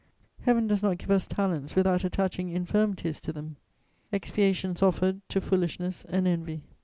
Heaven does not give us talents without attaching infirmities to them: expiations offered to foolishness and envy.